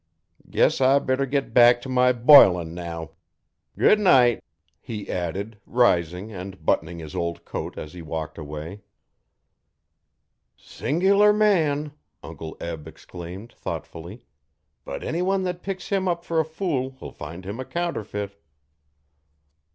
Guess I better git back t' my bilin' now. Good night,' he added, rising and buttoning his old coat as he walked away. 'Sing'lar man!' Uncle Eli exclaimed, thoughtfully, 'but anyone thet picks him up fer a fool'll find him a counterfeit.'